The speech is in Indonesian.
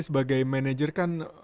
sebagai manager kan